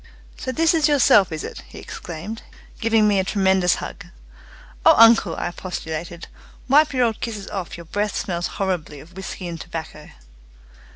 "So this is yourself, is it!" he exclaimed, giving me a tremendous hug. "Oh, uncle," I expostulated, "wipe your old kisses off! Your breath smells horribly of whisky and tobacco."